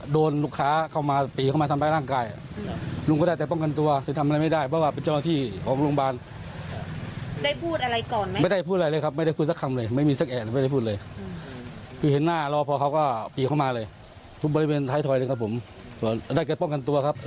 เดี๋ยวฟังนะครับ